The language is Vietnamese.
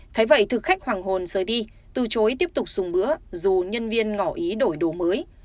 thế vậy thực khách hoàng hồn rời đi từ chối tiếp tục dùng bữa dù nhân viên ngỏ ý đổi đồ mới